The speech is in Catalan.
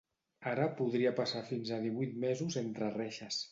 Ara podria passar fins a divuit mesos entre reixes.